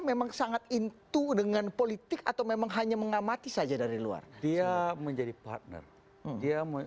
memang sangat intu dengan politik atau memang hanya mengamati saja dari luar dia menjadi partner dia